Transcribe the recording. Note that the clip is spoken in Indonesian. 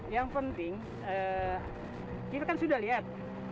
yang penting kita kan sudah lihat